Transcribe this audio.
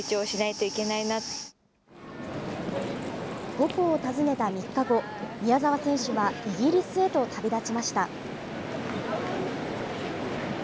母校を訪ねた３日後、宮澤選手はイギリスへと旅立ちました。